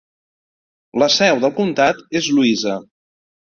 La seu del comtat és Louisa.